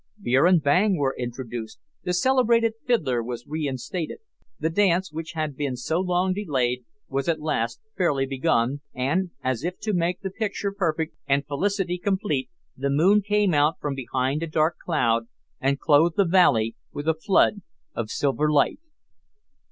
Beer and bang were introduced; the celebrated fiddler was reinstated, the dance, which had been so long delayed, was at last fairly begun, and, as if to make the picture perfect and felicity complete, the moon came out from behind a thick cloud, and clothed the valley with a flood of silver light.